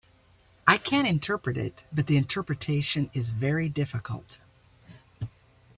I can interpret it, but the interpretation is very difficult.